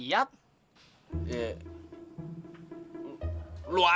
kayaknya gue ga pernah liat